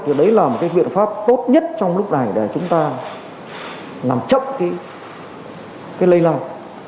thì đấy là một cái biện pháp tốt nhất trong lúc này để chúng ta làm chấp cái lây lan